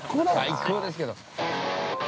◆最高ですけど。